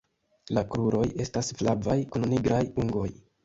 La kruroj estas flavaj kun nigraj ungoj.